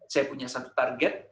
saya punya satu target